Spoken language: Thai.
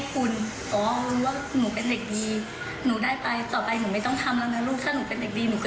ถึงไปต่อยอดเพิ่มเองนะลูก